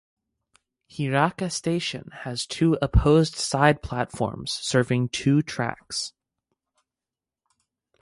Hiraka Station has two opposed side platforms serving two tracks.